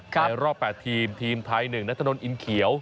ในรอบ๘ทีมทีมไทย๑นัทนอินเขียว